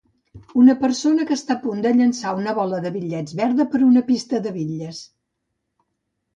Una persona que està a punt de llançar una bola de bitlles verda per una pista de bitlles.